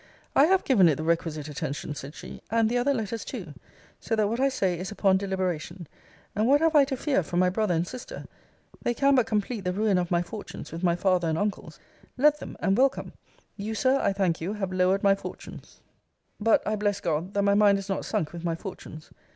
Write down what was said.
I have given it the requisite attention, said she; and the other letters too. So that what I say is upon deliberation. And what have I to fear from my brother and sister? They can but complete the ruin of my fortunes with my father and uncles. Let them and welcome. You, Sir, I thank you, have lowered my fortunes; but, I bless God, that my mind is not sunk with my fortunes.